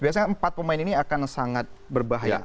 biasanya empat pemain ini akan sangat berbahaya